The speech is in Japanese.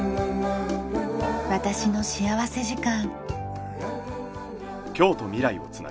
『私の幸福時間』。